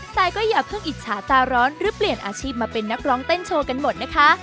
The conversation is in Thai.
แต่ก็อย่าเพิ่งอิจฉาตาร้อนหรือเปลี่ยนอาชีพมาเป็นนักร้องเต้นโชว์กันหมดนะคะ